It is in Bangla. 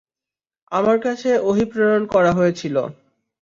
আমার কাছে ওহী প্রেরণ করা হয়েছিল।